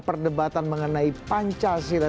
perdebatan mengenai pancasila